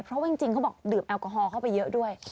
เพราะว่าจริงเขาบอกดื่มแอลกอฮอลเข้าไปเยอะด้วย